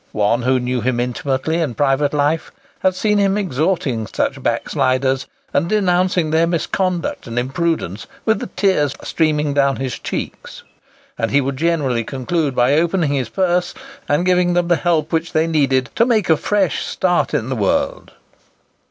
One who knew him intimately in private life has seen him exhorting such backsliders, and denouncing their misconduct and imprudence with the tears streaming down his cheeks. And he would generally conclude by opening his purse, and giving them the help which they needed "to make a fresh start in the world."